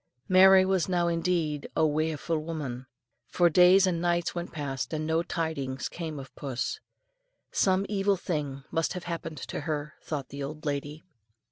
Mary was now indeed "a waefu' woman," for days and nights went past, and no tidings came of puss. Some evil thing must have happened to her, thought the old lady.